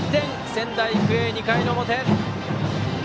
仙台育英、２回の表。